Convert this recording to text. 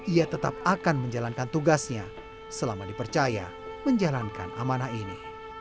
ia tetap akan menjalankan tugasnya selama dipercaya menjalankan amanah ini